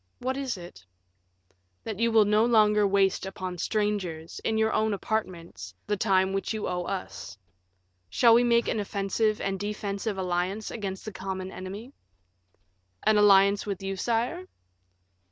"What is it?" "That you will no longer waste upon strangers, in your own apartments, the time which you owe us. Shall we make an offensive and defensive alliance against the common enemy?" "An alliance with you, sire?"